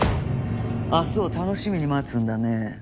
明日を楽しみに待つんだね。